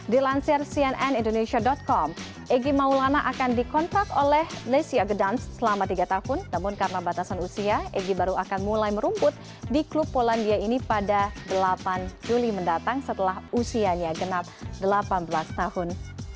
dilansir cnn indonesia com egy maulana akan dikontrak oleh lecia gedance selama tiga tahun namun karena batasan usia egy baru akan mulai merumput di klub polandia ini pada delapan juli mendatang setelah usianya genap delapan belas tahun